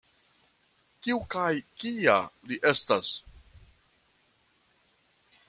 Kiu kaj kia li estas?